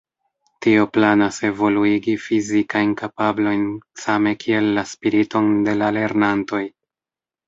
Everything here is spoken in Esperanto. Tio planas evoluigi fizikajn kapablojn same kiel la spiriton de la lernantoj.